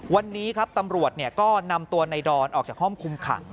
วันนี้ครับตำรวจก็นำตัวในดอนออกจากห้องคุมขัง